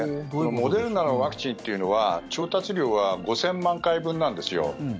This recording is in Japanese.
モデルナのワクチンというのは調達量は５０００万回分なんですよ。